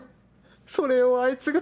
それをあいつが！